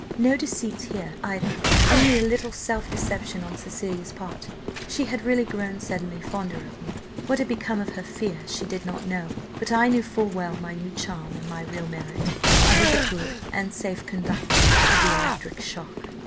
No deceit here either, only a little self deception on Cecilia's part. She had really grown suddenly fonder of me; what had become of her fear, she did not know. But I knew full well my new charm and my real merit; I was a good and safe conductor of the electric shock.